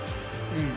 うん。